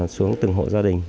xuống từng hộ gia đình